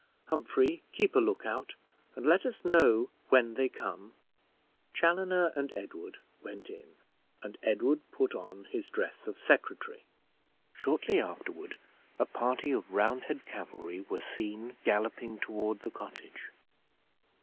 Humphrey, keep a look out and let us know when they come." Chaloner and Edward went in, and Edward put on his dress of secretary. Shortly afterward, a party of Roundhead cavalry were seen galloping toward the cottage.